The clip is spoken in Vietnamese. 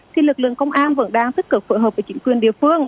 thì lực lượng công an vẫn đang tích cực phối hợp với chính quyền địa phương